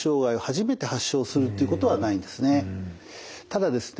ただですね